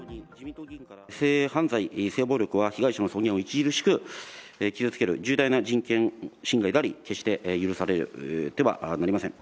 性犯罪・性暴力は、被害者の尊厳を著しく傷つける重大な人権侵害であり、決して許されてはなりません。